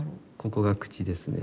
ここが口ですね。